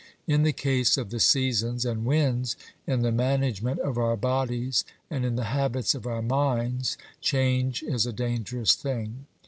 In the case of the seasons and winds, in the management of our bodies and in the habits of our minds, change is a dangerous thing.